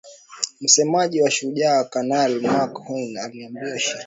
Msemaji wa Shujaa Kanali Mak Hazukay aliliambia shirika la habari kuwa majeshi ya Kongo na Uganda